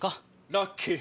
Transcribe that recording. ラッキー！